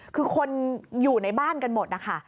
คือคนอยู่ในบ้านกันหมดนะคะ